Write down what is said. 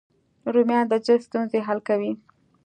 رومیان د جلد ستونزې حل کوي